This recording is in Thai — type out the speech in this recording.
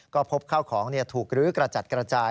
ก็พบข้าวของถูกลื้อกระจัดกระจาย